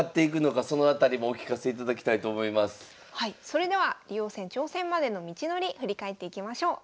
それでは竜王戦挑戦までの道のり振り返っていきましょう。